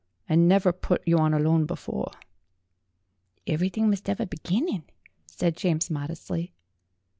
I never put you on alone before." "Ev'rythink must 'ave a beginnin'," said James modestly.